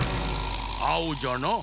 あおじゃな。